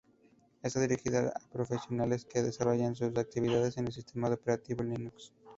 Está dirigida a profesionales que desarrollan su actividad con el sistema operativo Linux.